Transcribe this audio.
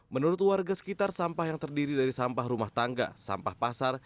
menurut warga sekitar sampah yang terdiri dari sampah rumah tangga sampah pasar